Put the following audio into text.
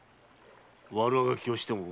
悪あがきをしても無駄だ。